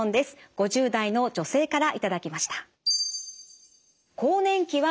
５０代の女性からいただきました。